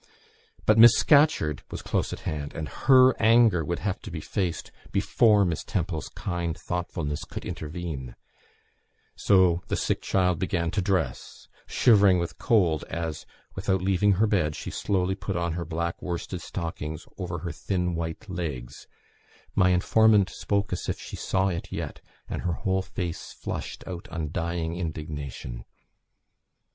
But Miss Scatcherd was close at hand, and her anger would have to be faced before Miss Temple's kind thoughtfulness could interfere; so the sick child began to dress, shivering with cold, as, without leaving her bed, she slowly put on her black worsted stockings over her thin white legs (my informant spoke as if she saw it yet, and her whole face flushed out undying indignation).